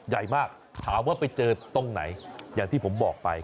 ใหญ่มากถามว่าไปเจอตรงไหนอย่างที่ผมบอกไป